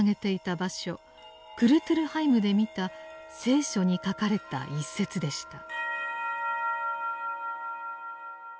クルトゥルハイムで見た「聖書」に書かれた一節でした。